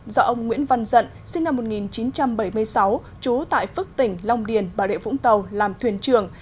do ông nguyễn văn dận sinh năm một nghìn chín trăm bảy mươi sáu trú tại phước tỉnh long điền bà rịa vũng tàu làm thuyền trưởng